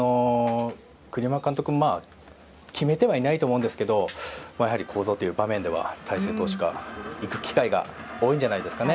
栗山監督も決めてはいないと思うんですけどやはりここぞという場面では大勢投手がいく機会が多いんじゃないですかね。